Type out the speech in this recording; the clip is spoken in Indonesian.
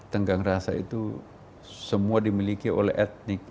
tenggang rasa itu semua dimiliki oleh etnik